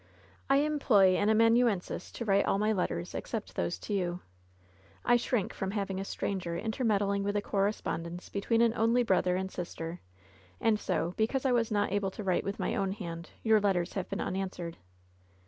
I employ an amanuensis to write all my let ters, except those to you. "I shrink from having a stranger intermeddling with a correspondence between an only brother and sister, and so, because I was not able to write with my own hand, your letters have been unanswered.